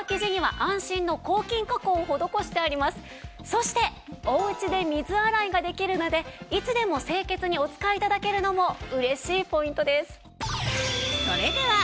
そしておうちで水洗いができるのでいつでも清潔にお使い頂けるのも嬉しいポイントです。